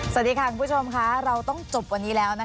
สวัสดีค่ะคุณผู้ชมค่ะเราต้องจบวันนี้แล้วนะคะ